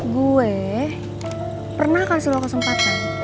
gue pernah kasih lo kesempatan